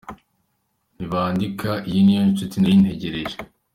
Ntibandika: Iyi niyo nshuti nari ntegereje.